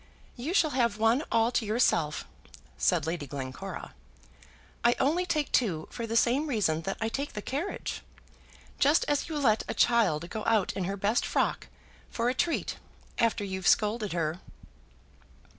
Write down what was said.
"You shall have one all to yourself," said Lady Glencora. "I only take two for the same reason that I take the carriage, just as you let a child go out in her best frock, for a treat, after you've scolded her."